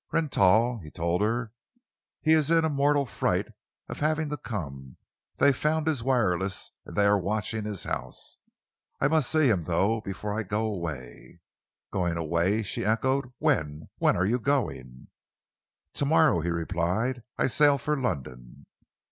"Rentoul," he told her. "He is in a mortal fright at having to come. They found his wireless, and they are watching his house. I must see him, though, before I go away." "Going away?" she echoed. "When? When are you going?" "To morrow," he replied, "I sail for London."